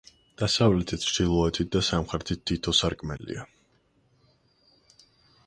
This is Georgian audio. დასავლეთით, ჩრდილოეთით და სამხრეთით თითო სარკმელია.